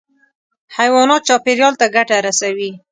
حیوانات چاپېریال ته ګټه رسوي.